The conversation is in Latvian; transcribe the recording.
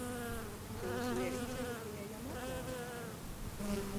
Jūsu ierīcei ir pieejami atjauninājumi.